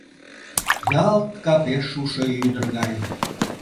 Ялт капеш шушо ӱдыр гай!